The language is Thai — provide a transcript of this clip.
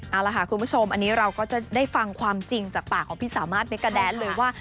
เอาล่ะค่ะคุณผู้ชมอันนี้เราก็จะได้ฟังความจริงจากปากของพี่สามารถเมกาแดนเลยว่า